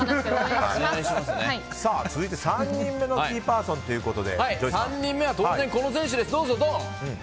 続いて、３人目のキーパーソンということで３人目は当然この選手です！